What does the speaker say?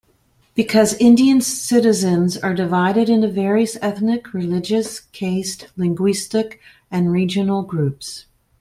Because Indian citizens are divided into various ethnic, religious, caste, linguistic and regional groups.